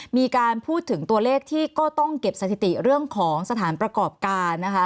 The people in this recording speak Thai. มีการพูดถึงตัวเลขที่ก็ต้องเก็บสถิติเรื่องของสถานประกอบการนะคะ